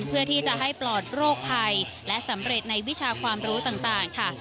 เพื่อที่จะให้ปลอดโรคภัยและสำเร็จในวิชาความรู้ต่างค่ะ